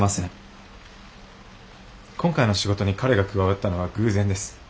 今回の仕事に彼が加わったのは偶然です。